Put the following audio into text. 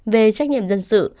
về trách nhiệm dân sự